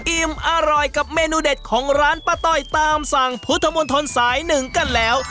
อิ่มอร่อยกับเมนูเด็ดของร้านป้าต้อยตามสั่งพุทธมนตรสายหนึ่งกันแล้ว